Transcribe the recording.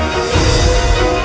masih sama ya